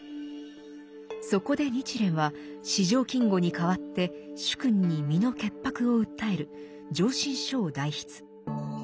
そこで日蓮は四条金吾に代わって主君に身の潔白を訴える上申書を代筆。